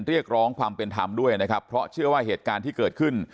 เรียกร้องความเป็นธรรมด้วยนะครับเพราะเชื่อว่าเหตุการณ์ที่เกิดขึ้น